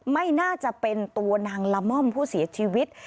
ไม่น่าจะเป็นตัวนางละม่อมผู้เสียชีวิต